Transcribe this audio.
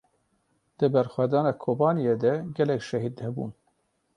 Di berxwedana Kobaniyê de gelek şehîd hebûn.